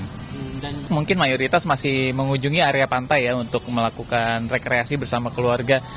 dan mungkin mayoritas masih mengunjungi area pantai ya untuk melakukan rekreasi bersama keluarga